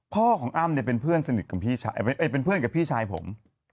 พ่อของอ้ำเนี่ยเป็นเพื่อนสนิทกับพี่ชายเป็นเพื่อนกับพี่ชายผม